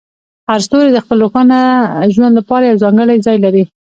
هر ستوری د خپل روښانه ژوند لپاره یو ځانګړی ځای لري.